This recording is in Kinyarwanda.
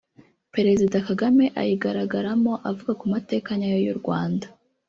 Perezida Kagame ayigaragaramo avuga ku mateka nyayo y’u Rwanda